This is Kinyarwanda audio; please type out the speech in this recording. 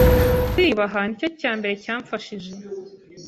Kwiyubaha nicyo cyambere cyamfashije